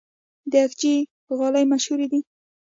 د اقچې غالۍ مشهورې دي